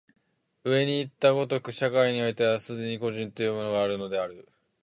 上にいった如く、社会においては既に個人というものがあるのである。